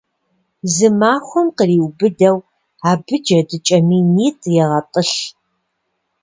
Зы махуэм къриубыдэу абы джэдыкӀэ минитӏ егъэтӏылъ.